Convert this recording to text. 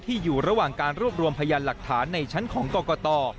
อยู่ระหว่างการรวบรวมพยานหลักฐานในชั้นของกรกต